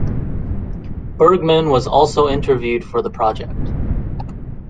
Bergman was also interviewed for the project.